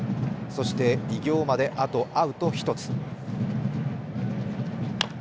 そして偉業まで、あとアウト１つ。